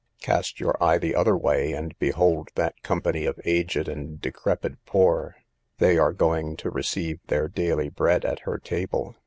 Cast your eye the other way, and behold that company of aged and decrepid poor; they are going to receive their daily bread at her table.